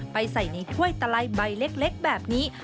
ใส่ในถ้วยตะไลใบเล็กแบบนี้